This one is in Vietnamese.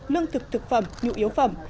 lương thực thực phẩm nhụ yếu phẩm